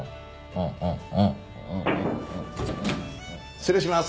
失礼します。